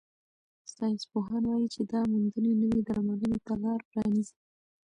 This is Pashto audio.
ساینسپوهان وايي چې دا موندنې نوې درملنې ته لار پرانیزي.